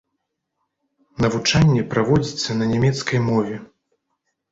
Навучанне праводзіцца на нямецкай мове.